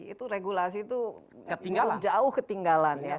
itu regulasi itu jauh ketinggalan